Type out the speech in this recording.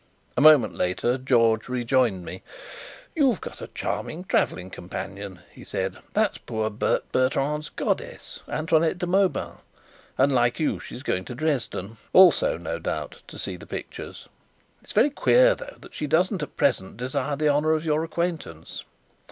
A moment later, George rejoined me. "You've got a charming travelling companion," he said. "That's poor Bert Bertrand's goddess, Antoinette de Mauban, and, like you, she's going to Dresden also, no doubt, to see the pictures. It's very queer, though, that she doesn't at present desire the honour of your acquaintance."